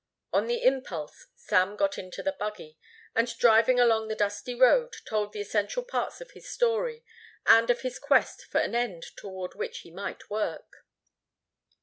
On the impulse Sam got into the buggy, and driving along the dusty road, told the essential parts of his story and of his quest for an end toward which he might work.